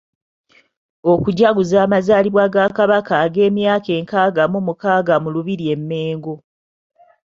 Okujaguza amazaalibwa ga Kabaka ag'emyaka nkaaga mu mukaaga mu Lubiri e Mengo.